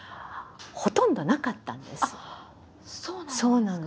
そうなの。